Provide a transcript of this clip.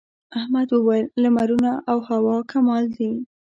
احمد وويل: لمرونه او هوا کمال دي.